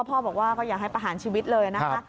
พ่อบอกว่าก็อยากให้ประหารชีวิตเลยนะคะ